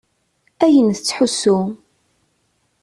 Ayen tettḥussu.